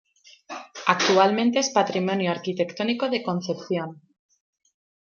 Actualmente es "Patrimonio Arquitectónico de Concepción".